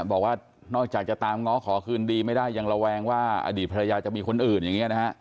บอกว่านอกจากจะตามง้อขอคืนดีไม่ได้ยังระแวงว่าอดีตภรรยาจะมีคนอื่นอย่างนี้นะฮะ